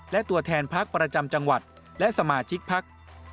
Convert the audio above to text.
และตัวแทนพักประจำจังหวัดและสมาชิกพัก